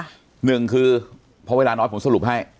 ๑คือเพราะว่าเวลาน้อยผมสรุปให้